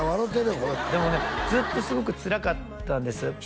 これでもねずっとすごくつらかったんです人